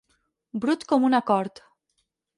Brut com una cort.